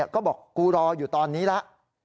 ก็บอกกูรออยู่ตอนนี้แล้ว